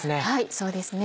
そうですね。